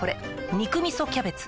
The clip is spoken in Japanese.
「肉みそキャベツ」